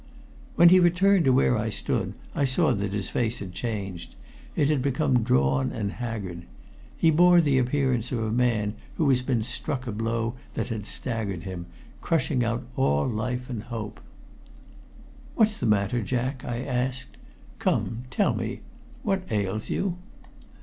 When he returned to where I stood I saw that his face had changed: it had become drawn and haggard. He bore the appearance of a man who had been struck a blow that had staggered him, crushing out all life and hope. "What's the matter, Jack?" I asked. "Come! Tell me what ails you?"